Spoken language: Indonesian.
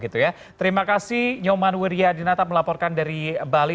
terima kasih nyoman wiryadinata melaporkan dari bali